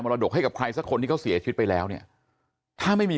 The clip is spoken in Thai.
รดกให้กับใครสักคนที่เขาเสียชีวิตไปแล้วเนี่ยถ้าไม่มี